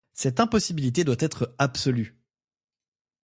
Cette impossibilité doit être absolue.